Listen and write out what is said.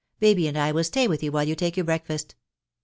Baby and I will stay with you while you take your breakfast."